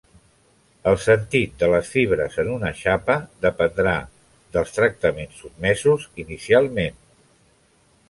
El sentit de les fibres en una xapa dependrà dels tractaments sotmesos inicialment.